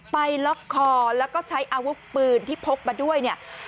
ไปล็อกคอแล้วก็ใช้อาวุธปืนที่พกมาด้วยเนี่ย